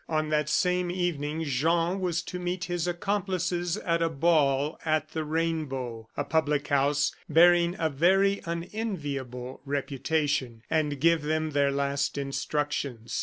On that same evening Jean was to meet his accomplices at a ball at the Rainbow a public house bearing a very unenviable reputation and give them their last instructions.